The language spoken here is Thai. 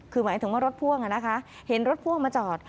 คือหมายถึงว่ารถพ่วงเห็นรถพ่วงมาจอด